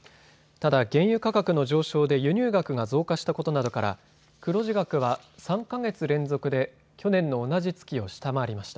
ただ原油価格の上昇で輸入額が増加したことなどから黒字額は３か月連続で去年の同じ月を下回りました。